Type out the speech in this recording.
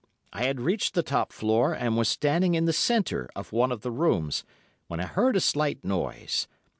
I had reached the top floor, and was standing in the centre of one of the rooms, when I heard a slight noise.